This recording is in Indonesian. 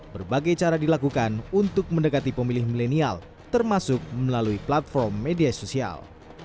berbagai cara dilakukan untuk mendekati pemilih milenial termasuk melalui platform media sosial